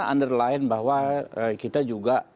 underline bahwa kita juga